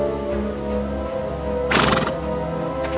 dan sehingga kekeringan tersebut menyebabkan penyakit